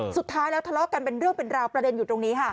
สุดท้ายแล้วทะเลาะกันเป็นเรื่องเป็นราวประเด็นอยู่ตรงนี้ค่ะ